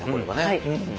はい。